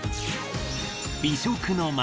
美食の街